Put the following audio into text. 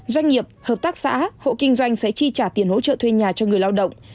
doanh nghiệp hợp tác xã hộ kinh doanh sẽ chi trả tiền hỗ trợ thuê nhà cho người lao động